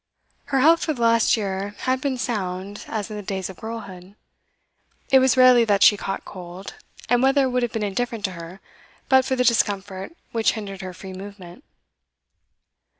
Her health for the last year had been sound as in the days of girlhood; it was rarely that she caught cold, and weather would have been indifferent to her but for the discomfort which hindered her free movement.